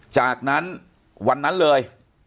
ใช่